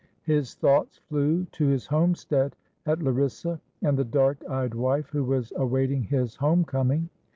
His thoughts flew to his homestead at La rissa, and the dark eyed wife who was awaiting his home coming.